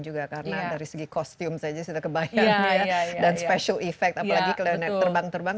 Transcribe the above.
juga karena dari segi kostum saja sudah kebayang dan special effect apalagi kalian terbang terbang